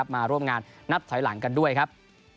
มาร่วมงานนับถอยหลังกันด้วยครับ